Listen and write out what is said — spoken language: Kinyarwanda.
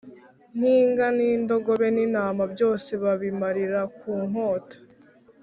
n’inka n’indogobe n’intama, byose babimarira ku nkota.